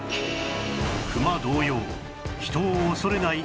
クマ同様人を恐れないサル